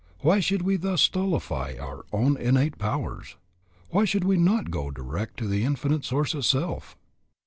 Why should we thus stultify our own innate powers? Why should we not go direct to the Infinite Source itself?